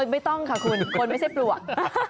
ไม่ต้องค่ะคุณคนไม่ใช่ปลวก